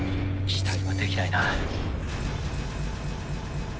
期待はできないな。